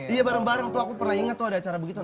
iya bareng bareng tuh aku pernah ingat tuh ada acara begitu